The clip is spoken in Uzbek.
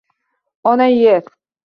Ona-Yer